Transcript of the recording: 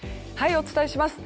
お伝えします。